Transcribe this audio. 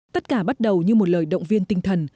tất cả bắt đầu như một lời động viên tinh thần